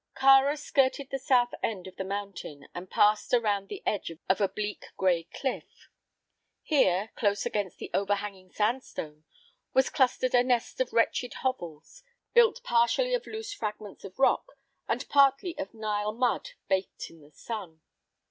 Kāra skirted the south end of the mountain and passed around the edge of a bleak gray cliff. Here, close against the overhanging sandstone, was clustered a nest of wretched hovels, built partially of loose fragments of rock and partly of Nile mud baked in the sun.